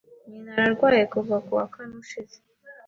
Nyina ararwaye kuva ku wa kane ushize.